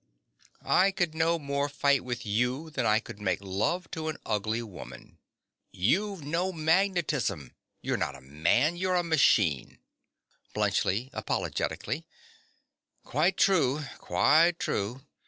I could no more fight with you than I could make love to an ugly woman. You've no magnetism: you're not a man, you're a machine. BLUNTSCHLI. (apologetically). Quite true, quite true.